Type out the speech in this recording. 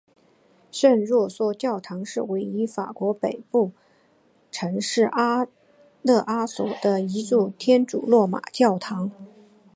圣若瑟教堂是位于法国北部城市勒阿弗尔的一座罗马天主教的教堂。